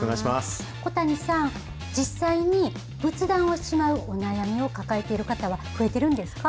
小谷さん、実際に仏壇をしまうお悩みを抱えてる方は、増えてるんですか？